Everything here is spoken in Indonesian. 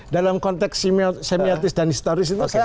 dalam konteks semiotis dan historis itu